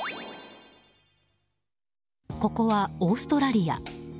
ここはオーストラリア。